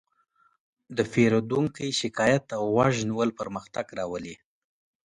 د پیرودونکي شکایت ته غوږ نیول پرمختګ راولي.